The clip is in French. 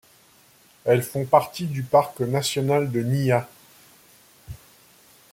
Elles font partie du parc national de Niah.